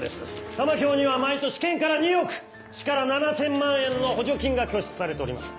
玉響には毎年県から２億市から７０００万円の補助金が拠出されております。